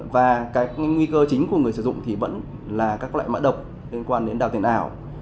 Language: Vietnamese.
và cái nguy cơ chính của người sử dụng thì vẫn là các loại mã độc liên quan đến đào tiền ảo